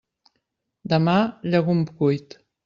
Demà, llegum cuit.